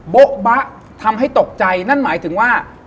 โบ๊ะบะทำให้ตกใจนั่นหมายถึงว่า